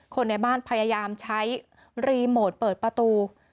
คนในบ้านพยายามใช้รีโมทเปิดประตู